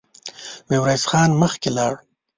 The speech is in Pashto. ميرويس خان مخکې لاړ.